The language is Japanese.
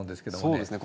そうですね